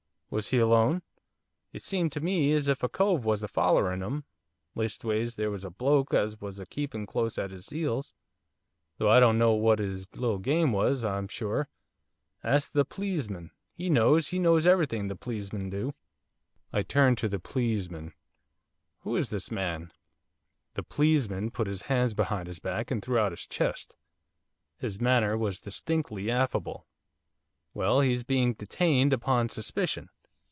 'Was he alone?' 'It seemed to me as if a cove was a follerin' 'im, leastways there was a bloke as was a keepin' close at 'is 'eels, though I don't know what 'is little game was, I'm sure. Ask the pleesman he knows, he knows everythink, the pleesman do.' I turned to the 'pleesman.' 'Who is this man?' The 'pleesman' put his hands behind his back, and threw out his chest. His manner was distinctly affable. 'Well, he's being detained upon suspicion.